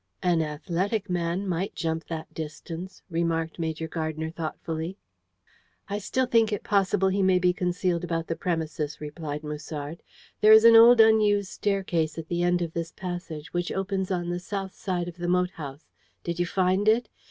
"An athletic man might jump that distance," remarked Major Gardner thoughtfully. "I still think it possible he may be concealed about the premises," replied Musard. "There is an old unused staircase at the end of this passage, which opens on the south side of the moat house. Did you find it?